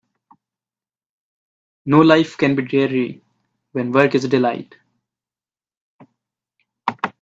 No life can be dreary when work is a delight.